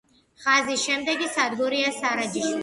ხაზის შემდეგი სადგურია სარაჯიშვილი.